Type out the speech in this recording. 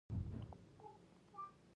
بله ډوډۍ د عامو خلکو لپاره وه.